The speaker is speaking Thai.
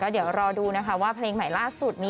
เดี๋ยวรอดูว่าเพลงใหม่ล่าสุด